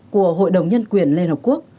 của hội đồng nhân quyền liên hợp quốc